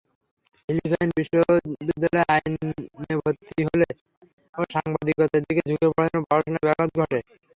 Philippine বিশ্ববিদ্যালয়ে আইনে ভর্তি হলেও সাংবাদিকতার দিকে ঝুঁকে পড়েন ও পড়াশোনায় ব্যাঘাত ঘটে।